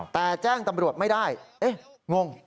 แต่แจ้งตำรวจไม่ได้เอ๊ะงง